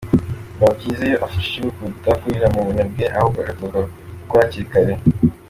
Biba byiza iyo afashijwe kudakurira mu bunebwe ahubwo agatozwa gukora hakiri kare.